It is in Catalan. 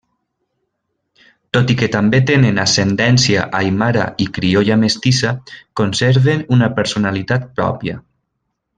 Tot i que també tenen ascendència aimara i criolla mestissa, conserven una personalitat pròpia.